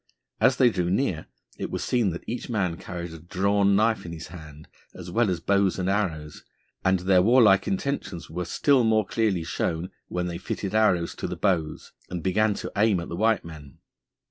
As they drew near it was seen that each man carried a drawn knife in his hand, as well as bows and arrows, and their warlike intentions were still more clearly shown when they fitted arrows to the bows and began to aim at the white men.